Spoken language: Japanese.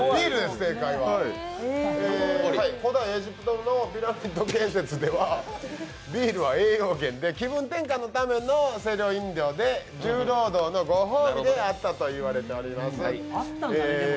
古代エジプトのピラミッド建設ではビールは栄養源で気分転換のための清涼飲料で重労働のご褒美であったと言われています。